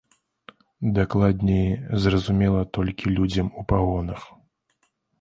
Дакладней, зразумела толькі людзям у пагонах.